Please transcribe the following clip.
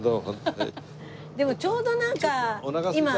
でもちょうどなんか今。